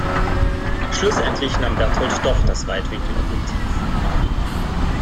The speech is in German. Schlussendlich nahm Bertold doch das Weitwinkelobjektiv.